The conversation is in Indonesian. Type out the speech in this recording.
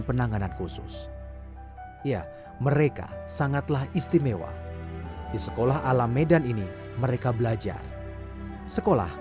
penanganan khusus ya mereka sangatlah istimewa di sekolah alam medan ini mereka belajar sekolah